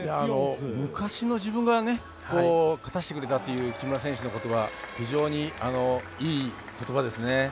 昔の自分が勝たしてくれたっていう木村選手のことば非常に、いいことばですね。